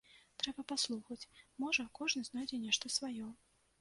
Трэба паслухаць, можа, кожны знойдзе нешта сваё.